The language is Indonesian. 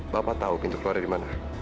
bapak tahu pintu keluar di mana